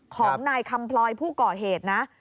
ของนายคำพลอยผู้ก่อเหตุนะ